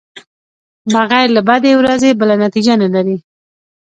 بغیر له بدې ورځې بله نتېجه نلري.